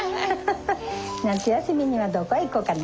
夏休みにはどこ行こうかな？